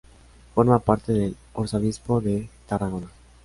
Forma parte del Arzobispado de Tarragona.